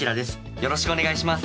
よろしくお願いします。